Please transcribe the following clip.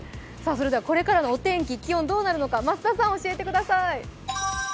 これからのお天気、気温、どうなるのか、増田さん教えてください。